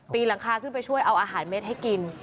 หลังคาขึ้นไปช่วยเอาอาหารเม็ดให้กิน